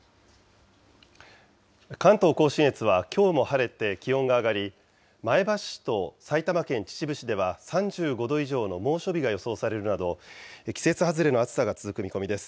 関東甲信越はきょうも晴れて気温が上がり、前橋市と埼玉県秩父市では３５度以上の猛暑日が予想されるなど、季節外れの暑さが続く見込みです。